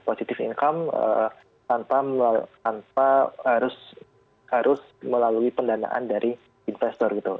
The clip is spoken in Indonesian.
positive income tanpa harus melalui pendanaan dari investor gitu